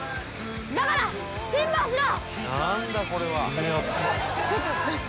だから辛抱しろ！